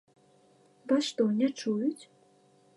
Вас што, не чуюць?